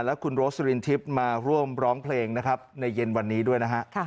และคุณโรสลินทิพย์มาร่วมร้องเพลงนะครับในเย็นวันนี้ด้วยนะฮะ